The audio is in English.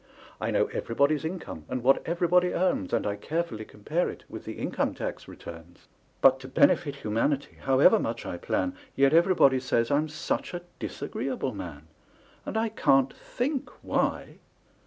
I know everybody's income and what everybody earns, And I carefully compare it with the income tax returns; But to benefit humanity, however much I plan, Yet everybody says I'm such a disagreeable man! And I can't think why!